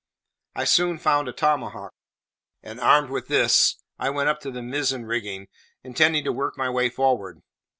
I soon found a tomahawk, and, armed with this, I went up the mizzen rigging, intending to work my way forward.